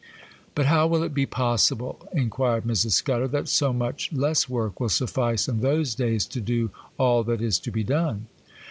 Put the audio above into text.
'But how will it be possible,' inquired Mrs. Scudder, 'that so much less work will suffice in those days to do all that is to be done?